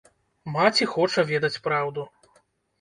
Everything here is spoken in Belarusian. Маці хоча ведаць праўду.